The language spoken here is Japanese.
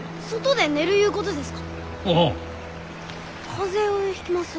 風邪をひきます。